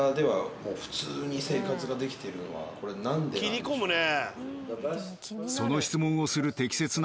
切り込むね。